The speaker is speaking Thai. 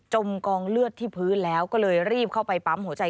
กองเลือดที่พื้นแล้วก็เลยรีบเข้าไปปั๊มหัวใจ